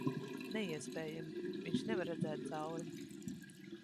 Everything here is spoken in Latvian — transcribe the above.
Neiespējami. Viņš nevar redzēt cauri...